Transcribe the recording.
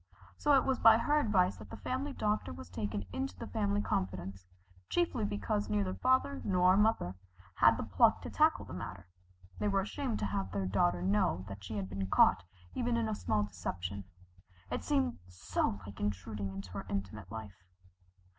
So it was by her advice that the family doctor was taken into the family confidence, chiefly because neither father nor mother had the pluck to tackle the matter they were ashamed to have their daughter know that she had been caught in even a small deception it seemed so like intruding into her intimate life.